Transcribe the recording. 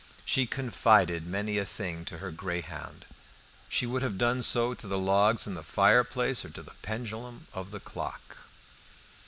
She confided many a thing to her greyhound. She would have done so to the logs in the fireplace or to the pendulum of the clock.